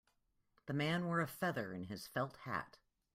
The man wore a feather in his felt hat.